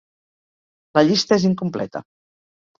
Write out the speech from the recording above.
La llista és incompleta.